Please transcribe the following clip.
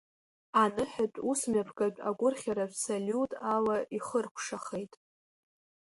Аныҳәатә усмҩаԥгатә агәырӷьаратә салиут ала ихыркәшахеит.